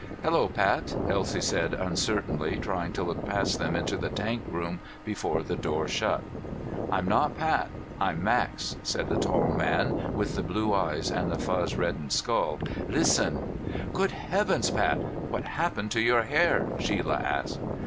"Hello, Pat," Elsie said uncertainly, trying to look past them into the tank room before the door shut. "I'm not Pat, I'm Max," said the tall man with the blue eyes and the fuzz reddened skull. "Listen " "Good heavens, Pat, what happened to your hair?" Shelia asked.